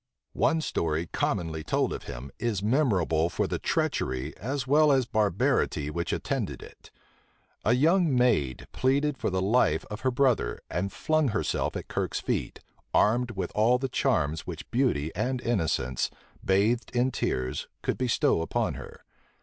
One story, commonly told of him, is memorable for the treachery, as well as barbarity, which attended it. A young maid pleaded for the life of her brother, and flung herself at Kirke's feet, armed with all the charms which beauty and innocence, bathed in tears, could bestow upon her.